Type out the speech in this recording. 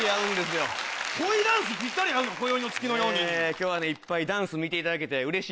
今日はねいっぱいダンス見ていただけてうれしいです。